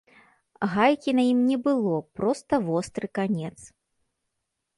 Гайкі на ім не было, проста востры канец.